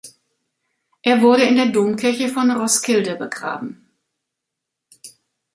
Er wurde in der Domkirche von Roskilde begraben.